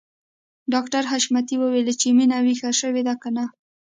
ډاکټر حشمتي وويل چې مينه ويښه شوې ده که نه